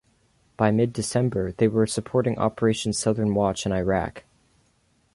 By Mid-December they were supporting Operation Southern Watch in Iraq.